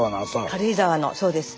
軽井沢のそうです。